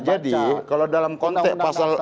nah jadi kalau dalam konteks pasal dua ratus empat ini